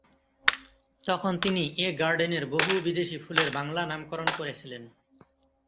তখন তিনি এ গার্ডেনের বহু বিদেশী ফুলের বাংলা নামকরণ করেছিলেন।